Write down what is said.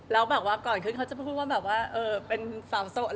แล้วก่อนเขาจะพูดว่าเป็นสาวโสด